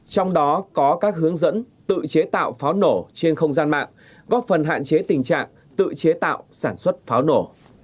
trong đó có các hướng dẫn tự chế tạo pháo nổ trên không gian mạng góp phần hạn chế tình trạng tự chế tạo sản xuất pháo nổ